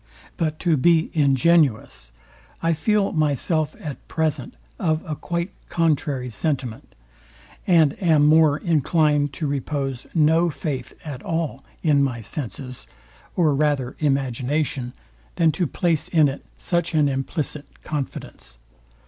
But to be ingenuous, I feel myself at present of a quite contrary sentiment, and am more inclined to repose no faith at all in my senses, or rather imagination, than to place in it such an implicit confidence.